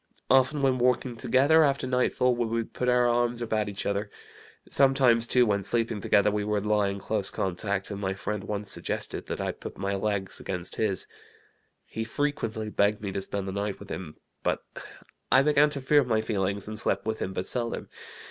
Often when walking together after night fall we would put our arms about each other. Sometimes, too, when sleeping together we would lie in close contact, and my friend once suggested that I put my legs against his. He frequently begged me to spend the night with him; but I began to fear my feelings, and slept with him but seldom.